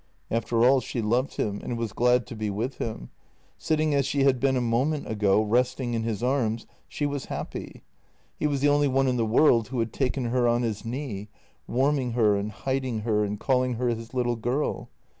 After all, she loved him, and was glad to be with him. Sit ting as she had been a moment ago, resting in his arms, she was happy. He was the only one in the world who had taken her on his knee, warming her and hiding her and calling her his little girl.